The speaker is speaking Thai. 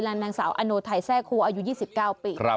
นางสาวอโนไทยแทร่คั่วอายุ๒๙ปี